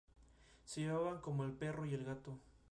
Se llevaban como el perro y el gato